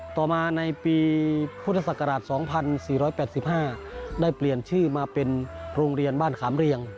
ต่อมาในปีพุทธศักราช๒๔๘๕ได้เปลี่ยนชื่อมาเป็นโรงเรียนบ้านขามเรียง